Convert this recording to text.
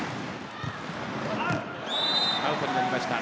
アウトになりました。